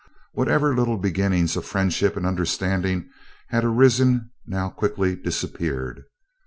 Whatever little beginnings of friendship and understanding had arisen now quickly disappeared.